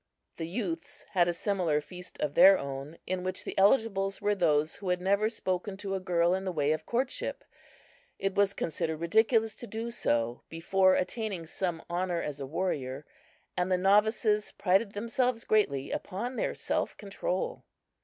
The youths had a similar feast of their own, in which the eligibles were those who had never spoken to a girl in the way of courtship. It was considered ridiculous so to do before attaining some honor as a warrior, and the novices prided themselves greatly upon their self control.